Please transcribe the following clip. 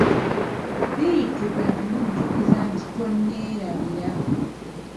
Bittu kwe kumujjukiza nti:"toneerabira"